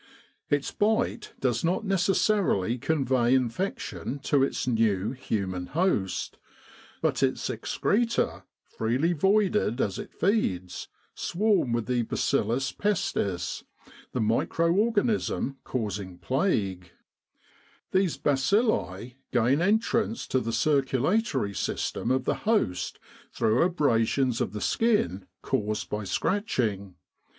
Its bite does not necessarily convey infection to its new human host ; but its excreta, freely voided as it feeds, swarm with the bacillus pestis, the micro organism causing plague; these bacilli gain entrance to the circulatory system of the host through abrasions of the skin caused by scratching.